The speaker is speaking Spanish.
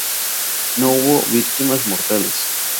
No hubo víctimas mortales.